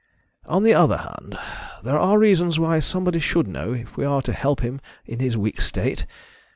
On the other hand, there are reasons why somebody should know, if we are to help him in his weak state.